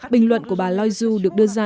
bình luận của bà loiseau được đưa ra